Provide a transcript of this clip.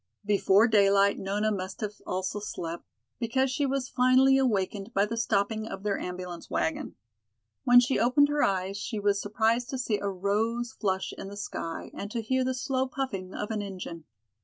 Before daylight Nona must have also slept, because she was finally awakened by the stopping of their ambulance wagon. When she opened her eyes she was surprised to see a rose flush in the sky and to hear the slow puffing of an engine.